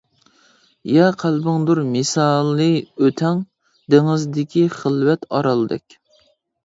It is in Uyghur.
يا قەلبىڭدۇر مىسالى ئۆتەڭ، دېڭىزدىكى خىلۋەت ئارالدەك.